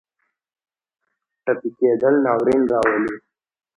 ټپي کېدل ناورین راولي.